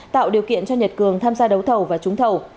tạo điều kiện cho nhật cường tham gia đấu thầu và trúng thầu